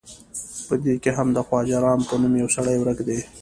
په دې کې هم د خواجه رام په نوم یو سړی ورک دی.